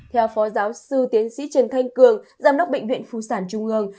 theo phó giáo sư tiến sĩ trần thanh cường giám đốc bệnh viện phụ sản trung ương